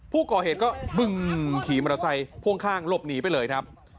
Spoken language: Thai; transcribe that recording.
ผู้ก่อเหตุก็บึงขี่มอเตอร์ไซค์พ่วงข้างหลบหนีไปเลยครับ